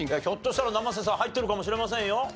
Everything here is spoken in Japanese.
ひょっとしたら生瀬さん入ってるかもしれませんよ。